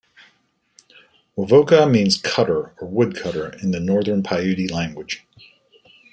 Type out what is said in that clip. Wovoka means "cutter" or "wood cutter" in the Northern Paiute language.